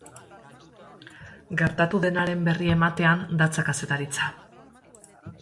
Gertatu denaren berri ematean datza kazetaritza.